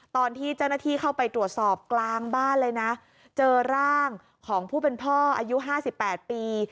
ตอนที่เจ้าหน้าที่เข้าไปตรวจสอบกลางบ้านเลยนะเจอร่างของผู้เป็นพ่ออายุ๕๘ปี